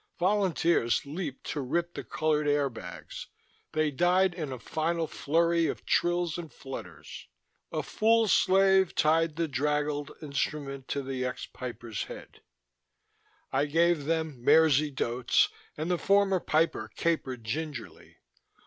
Volunteers leaped to rip the colored air bags; they died in a final flurry of trills and flutters. A fool slave tied the draggled instrument to the ex piper's head. I gave them Mairzy Doats and the former piper capered gingerly.